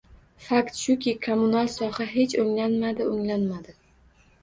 Fakt shuki, kommunal soha hech oʻnglanmadi-oʻnglanmadi...